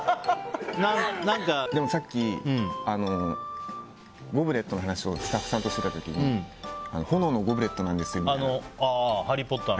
でもさっき、ゴブレットの話をスタッフさんとしてた時に「炎のゴブレット」なんですよって。